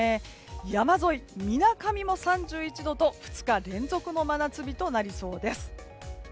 山沿い、みずかみも３１度と２日連続の真夏日となりそうです。